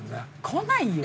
こないよ。